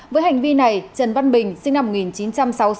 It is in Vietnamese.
với hành vi này trần văn bình sinh năm một nghìn chín trăm sáu mươi sáu